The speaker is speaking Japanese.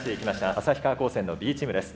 旭川高専のＢチームです。